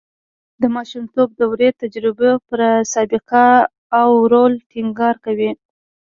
د ماشومتوب دورې تجربو پر سابقه او رول ټینګار کوي